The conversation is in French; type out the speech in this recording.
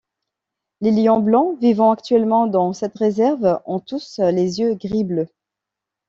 Les lions blancs vivant actuellement dans cette réserve ont tous les yeux gris-bleu.